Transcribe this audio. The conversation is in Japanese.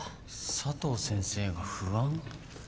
佐藤先生が不安？